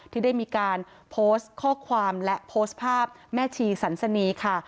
ที่ได้มีการโพสต์ข้อความและโพสต์ภาพแม่ชีสันสนีค่ะ